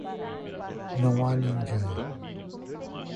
Não há ninguém.